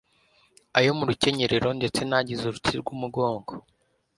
ayo mu rukenyerero ndetse n'agize uruti rw'umugongo